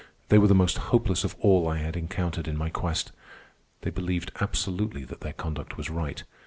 They were the most hopeless of all I had encountered in my quest. They believed absolutely that their conduct was right.